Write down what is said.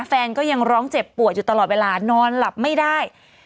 แฟนก็ยังร้องเจ็บปวดอยู่ตลอดเวลานอนหลับไม่ได้